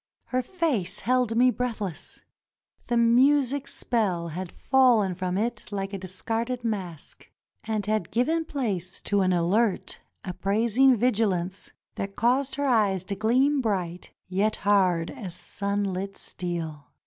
Her face held me breathless. The music spell had fallen from it like a discarded mask, and had given place to an alert, appraising vigilance that caused her eyes to gleam bright yet hard as sunlit steel.